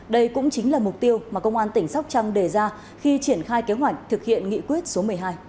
đây cũng chính là mục tiêu mà công an tỉnh sóc trăng đề ra khi triển khai kế hoạch thực hiện nghị quyết số một mươi hai